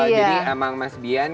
jadi emang mas bian